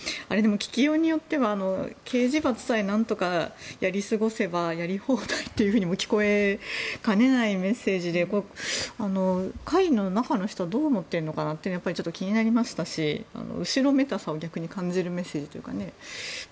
聞きようによっては刑事罰さえ何とかやり過ごせばやり放題というふうにも聞こえかねないメッセージで会の中の人はどう思っているのか気になりましたし後ろめたさを逆に感じるメッセージというか。